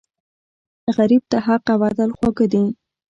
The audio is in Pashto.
غریب ته حق او عدل خواږه دي